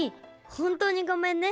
本当にごめんね。